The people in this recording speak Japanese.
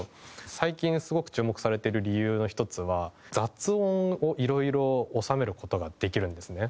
最近すごく注目されてる理由の１つは雑音をいろいろ収める事ができるんですね。